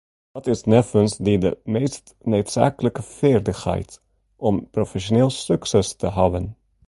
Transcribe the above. Wat is neffens dy de meast needsaaklike feardichheid om profesjoneel sukses te hawwen?